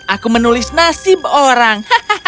aku menulis nasib orang